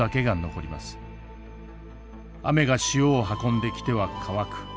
雨が塩を運んできては乾く。